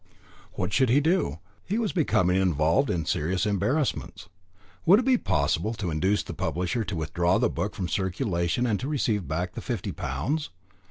What should he do? He was becoming involved in serious embarrassments. Would it be possible to induce the publisher to withdraw the book from circulation and to receive back the fifty pounds?